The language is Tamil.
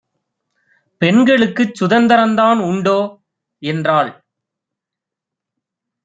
பெண்களுக்குச் சுதந்தரந்தான் உண்டோ? என்றாள்.